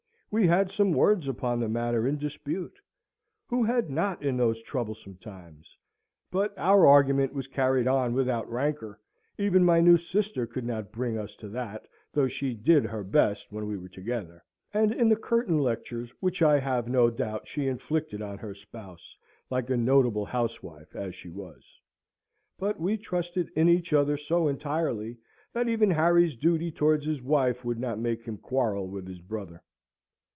We had some words upon the matter in dispute, who had not in those troublesome times? but our argument was carried on without rancour; even my new sister could not bring us to that, though she did her best when we were together, and in the curtain lectures which I have no doubt she inflicted on her spouse, like a notable housewife as she was. But we trusted in each other so entirely that even Harry's duty towards his wife would not make him quarrel with his brother.